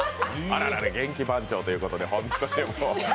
あららら、元気番長ということで。